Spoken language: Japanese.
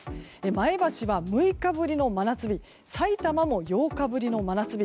前橋は６日ぶりの真夏日さいたまも８日ぶりの真夏日